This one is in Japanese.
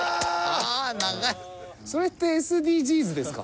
それってＳＤＧｓですか？